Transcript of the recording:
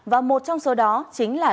và một trong số đó chính là